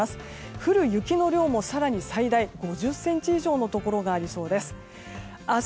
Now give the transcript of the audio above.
降る雪の量も、更に最大５０ｃｍ以上のところがありそうです。